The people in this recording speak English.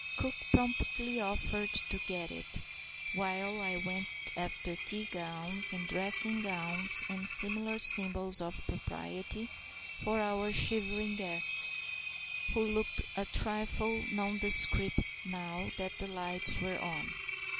Cook promptly offered to get it, while I went after tea gowns and dressing gowns and similar symbols of propriety for our shivering guests, who looked a trifle nondescript now that the lights were on.